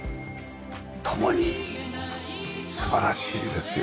共に素晴らしいですよ。